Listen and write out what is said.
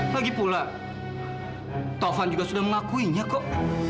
lagipula tovan juga sudah mengakuinya kok